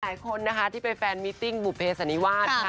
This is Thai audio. หลายคนที่ไปแฟนมิตติ้งบุภิสันนิวาส